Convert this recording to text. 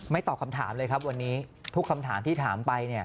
ไม่ตอบคำถามเลยครับร่วนทุกคำถามที่ถาม